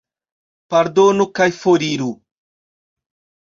Pardonu kaj foriru.